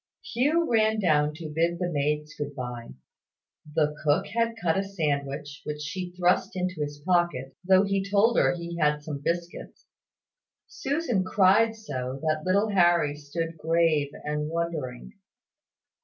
Hugh ran down to bid the maids good bye. The cook had cut a sandwich, which she thrust into his pocket, though he told her he had some biscuits. Susan cried so that little Harry stood grave and wondering.